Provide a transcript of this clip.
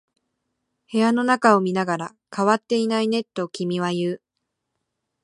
部屋の中を見ながら、変わっていないねと君は言う。